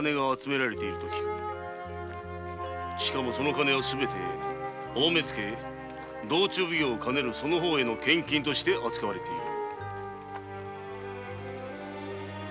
しかもその金はすべて大目付道中奉行を兼ねるその方への献金として扱われている。